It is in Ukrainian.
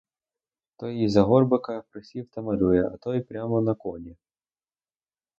Той із-за горбика присів та малює, а той прямо на коні.